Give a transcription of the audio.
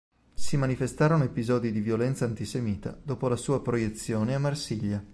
Si manifestarono episodi di violenza antisemita dopo la sua proiezione a Marsiglia.